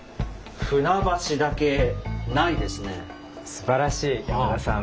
すばらしい山田さん。